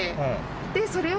でそれを。